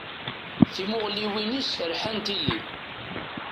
Timuɣliwin-is rḥant-iyi.